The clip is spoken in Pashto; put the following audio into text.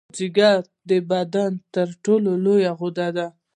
ځیګر د بدن تر ټولو لویه غده ده